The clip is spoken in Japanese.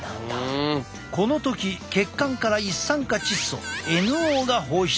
この時血管から一酸化窒素ＮＯが放出。